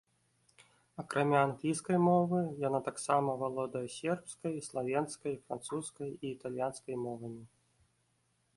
Акрамя англійскай мовы, яна таксама валодае сербскай, славенскай, французскай і італьянскай мовамі.